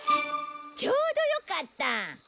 ちょうどよかった。